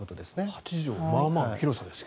８畳ってまあまあの広さですよね。